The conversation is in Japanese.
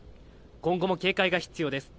今後も警戒が必要です。